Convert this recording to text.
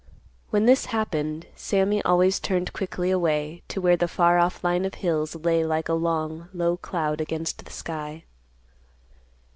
When this happened, Sammy always turned quickly away to where the far off line of hills lay like a long, low cloud against the sky.